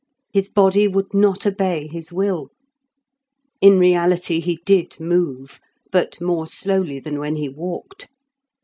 His body would not obey his will. In reality he did move, but more slowly than when he walked.